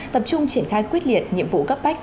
tập trung triển khai quyết liệt nhiệm vụ gấp bách